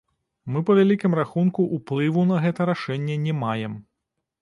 Мы па вялікім рахунку ўплыву на гэта рашэнне не маем.